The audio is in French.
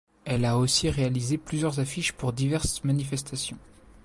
Elle a aussi réalisé plusieurs affiches pour diverses manifestations.